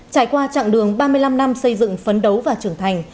trải qua chặng đường ba mươi năm năm xây dựng phấn đấu và trưởng thành